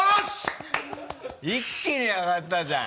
一気に上がったじゃん。